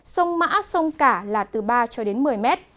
sông mã sông cả là từ ba cho đến một mươi mét